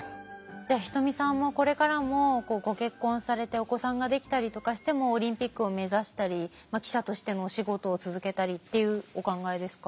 じゃあ人見さんもこれからもご結婚されてお子さんができたりとかしてもオリンピックを目指したり記者としてのお仕事を続けたりっていうお考えですか？